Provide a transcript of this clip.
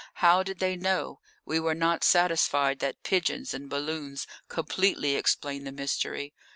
How did they know? We were not satisfied that pigeons and balloons completely explained the mystery.